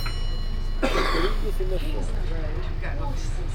Tuker-iyi tnafa.